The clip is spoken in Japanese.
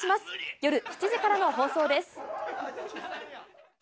夜７時からの放送です。